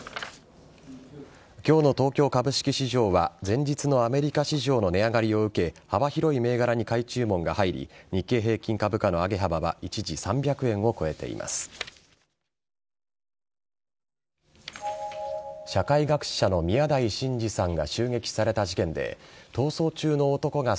今日の東京株式市場は前日のアメリカ市場の値上がりを受け幅広い銘柄に買い注文が入り日経平均株価の上げ幅は一時３００円を超えています。